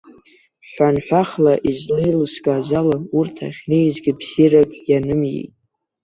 Ҳәанҳәахла излеилыскааз ала, урҭ ахьнеизгьы бзиарак ианымиеит.